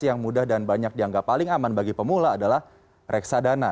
yang mudah dan banyak dianggap paling aman bagi pemula adalah reksadana